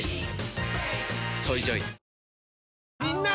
みんな！